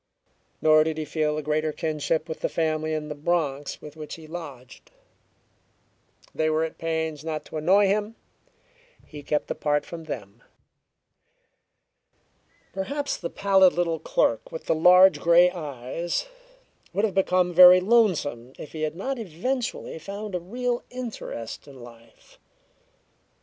Nor did he feel a greater kinship with the family in the Bronx with which he lodged. They were at pains not to annoy him; he kept apart from them. Perhaps the pallid little clerk with the large grey eyes would have become very lonesome if he had not eventually found a real interest in life.